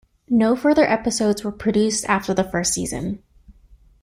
No further episodes were produced after the first season.